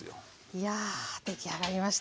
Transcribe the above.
いや出来上がりました。